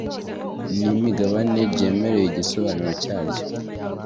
N imigabane ryemerewe igisobanuro cyaryo